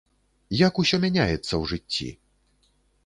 Як усё мяняецца ў жыцці!